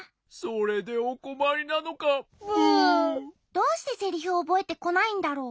どうしてセリフをおぼえてこないんだろう？